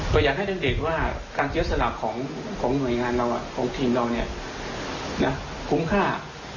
ก็อยากให้ทั้งเด็กว่าการเจียวสลับของหน่วยงานเราของทีมเราเนี่ยคุ้มค่า